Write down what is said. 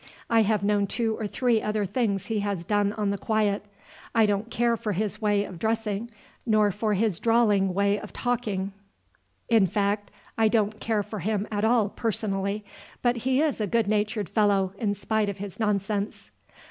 I have known two or three other things he has done on the quiet. I don't care for his way of dressing nor for his drawling way of talking, in fact, I don't care for him at all personally; but he is a good natured fellow in spite of his nonsense."